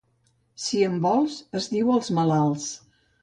«Si en vols» es diu als malalts.